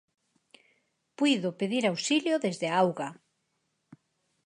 Puido pedir auxilio desde a auga.